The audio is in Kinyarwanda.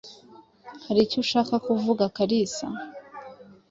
Hari icyo ushaka kuvuga, Kalisa?